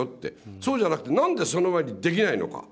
そうじゃなくて、なんでその前にできないのか。